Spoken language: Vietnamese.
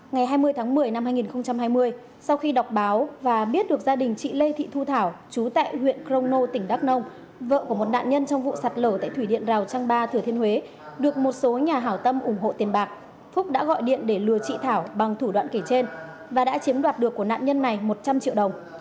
ngày hai mươi tháng một mươi năm hai nghìn hai mươi sau khi đọc báo và biết được gia đình chị lê thị thu thảo chú tại huyện crono tỉnh đắk nông vợ của một nạn nhân trong vụ sạt lở tại thủy điện rào trăng ba thừa thiên huế được một số nhà hảo tâm ủng hộ tiền bạc phúc đã gọi điện để lừa chị thảo bằng thủ đoạn kể trên và đã chiếm đoạt được của nạn nhân này một trăm linh triệu đồng